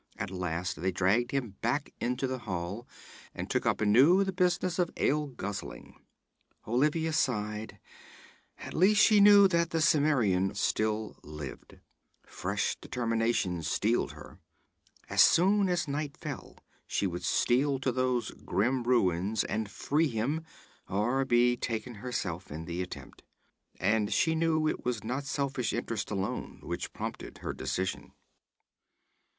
At last they dragged him back into the hall, and took up anew the business of ale guzzling. Olivia sighed; at least she knew that the Cimmerian still lived. Fresh determination steeled her. As soon as night fell, she would steal to those grim ruins and free him or be taken herself in the attempt. And she knew it was not selfish interest alone which prompted her decision.